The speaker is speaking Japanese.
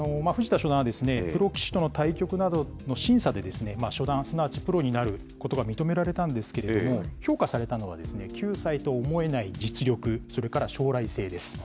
初段は、プロ棋士との対局などの審査で、初段、すなわちプロになることが認められたんですけれども、評価されたのは、９歳と思えない実力、それから将来性です。